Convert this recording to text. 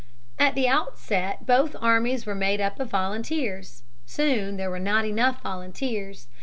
At the outset both armies were made up of volunteers; soon there were not enough volunteers.